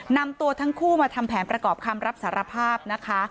นำตัวทั้งคู่มาทำแผนประกอบคำรับสารภาพนะคะ